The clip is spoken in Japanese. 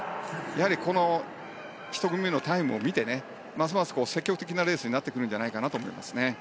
やはり１組目のタイムを見てますます積極的なレースになってくるんじゃないかと思いますね。